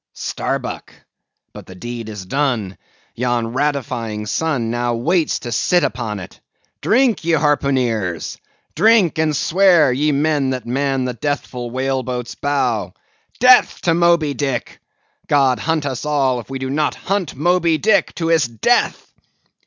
Starbuck! but the deed is done! Yon ratifying sun now waits to sit upon it. Drink, ye harpooneers! drink and swear, ye men that man the deathful whaleboat's bow—Death to Moby Dick! God hunt us all, if we do not hunt Moby Dick to his death!"